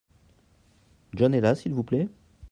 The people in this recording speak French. John est là s'il vous plait ?